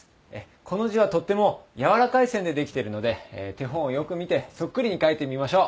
この字はとってもやわらかい線でできてるので手本をよく見てそっくりに書いてみましょう。